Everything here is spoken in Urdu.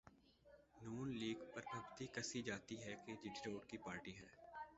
نون لیگ پر پھبتی کسی جاتی ہے کہ یہ جی ٹی روڈ کی پارٹی ہے۔